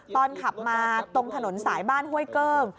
ขับมาตรงถนนสายบ้านห้วยเกิ้ง